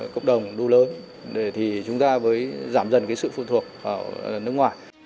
cộng đồng đu lớn để chúng ta giảm dần sự phụ thuộc vào nước ngoài